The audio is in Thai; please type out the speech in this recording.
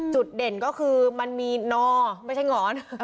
จุดเด่นก็คือมันมีนอไม่ใช่หงอน